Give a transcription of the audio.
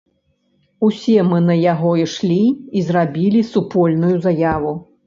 Усе мы на яго ішлі і зрабілі супольную заяву.